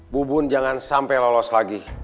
bubun jangan sampai lolos lagi